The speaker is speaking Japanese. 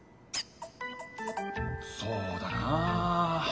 そうだな。